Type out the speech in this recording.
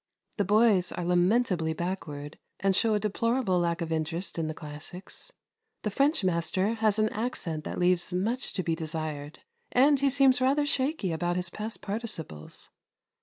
The boys are lamentably backward and show a deplorable lack of interest in the classics. The French master has an accent that leaves much to be desired, and he seems rather shaky about his past participles.